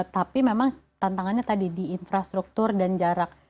tapi memang tantangannya tadi di infrastruktur dan jarak